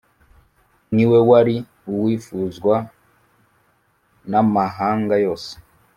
Ni We wari Uwifuzwa n’amahanga yose